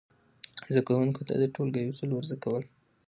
زده کوونکو ته د ټولګي اصول ور زده کول،